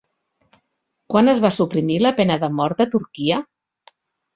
Quan es va suprimir la pena de mort a Turquia?